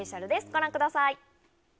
ご覧ください。